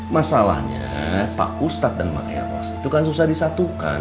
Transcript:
masalahnya pak ustadz dan maeros itu kan susah disatukan